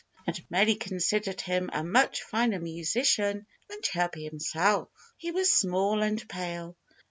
_ And many considered him a much finer musician than Chirpy himself. He was small and pale.